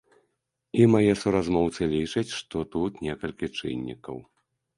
І мае суразмоўцы лічаць, што тут некалькі чыннікаў.